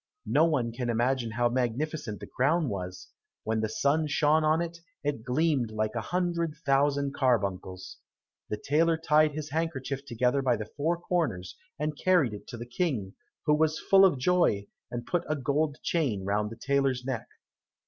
No one can imagine how magnificent the crown was; when the sun shone on it, it gleamed like a hundred thousand carbuncles. The tailor tied his handkerchief together by the four corners, and carried it to the King, who was full of joy, and put a gold chain round the tailor's neck.